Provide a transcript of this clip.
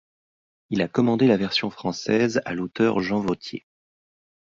Il a commandé la version française à l'auteur Jean Vauthier.